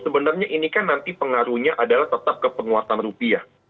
sebenarnya ini kan nanti pengaruhnya adalah tetap ke penguatan rupiah